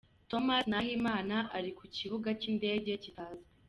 Thomas Nahimana ari kukibuga cy’indege kitazwi